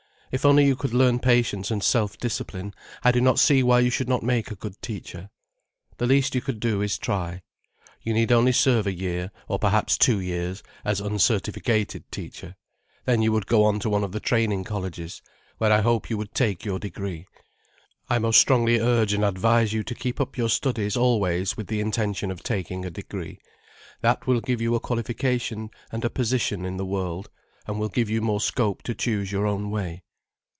If only you could learn patience and self discipline, I do not see why you should not make a good teacher. The least you could do is to try. You need only serve a year, or perhaps two years, as uncertificated teacher. Then you would go to one of the training colleges, where I hope you would take your degree. I most strongly urge and advise you to keep up your studies always with the intention of taking a degree. That will give you a qualification and a position in the world, and will give you more scope to choose your own way.